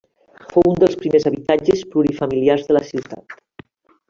Fou un dels primers habitatges plurifamiliars de la ciutat.